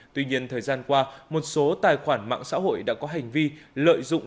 tuy nhiên thời gian qua một số tài khoản mạng xã hội đã có hành vi lợi dụng